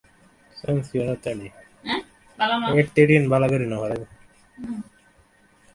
জুলিখা অগ্রসর হইয়া রাজার নিকটবর্তী হইয়া দেখিল, রাজা নিঃশব্দে সকৌতুকে হাসিতেছেন।